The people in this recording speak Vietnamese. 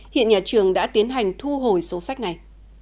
hiện nhà trường đã tiến hành thu hồi số sách này